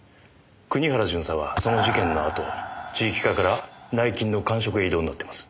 国原巡査はその事件のあと地域課から内勤の閑職へ異動になってます。